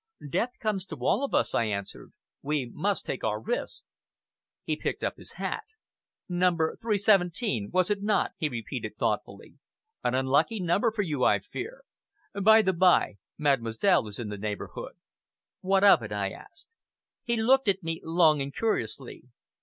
"Death comes to all of us," I answered. "We must take our risks." He picked up his hat. "Number 317, was it not?" he repeated thoughtfully, "an unlucky number for you, I fear! ... By the bye, Mademoiselle is in the neighborhood." "What of it?" I asked. He looked at me long and curiously.